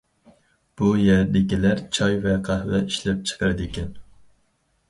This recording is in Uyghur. بۇ يەردىكىلەر چاي ۋە قەھۋە ئىشلەپچىقىرىدىكەن.